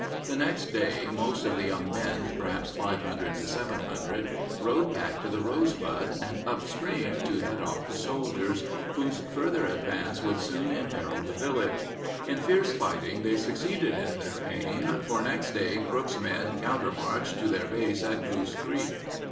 The next day most of the young men, perhaps 500 to 700, rode back to the Rosebud and upstream to head off the soldiers, whose further advance would soon imperil the village. In fierce fight ing they succeeded in their aim, for next day Crook's men countermarched to their base at Goose Creek.